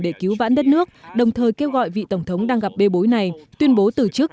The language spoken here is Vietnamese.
để cứu vãn đất nước đồng thời kêu gọi vị tổng thống đang gặp bê bối này tuyên bố từ chức